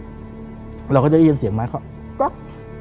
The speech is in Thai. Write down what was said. เราก็จะได้ยินเสียงไม้เขาก๊อก